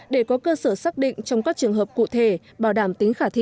để có cơ sở xác định trong các trường hợp cụ thể bảo đảm tính khả thi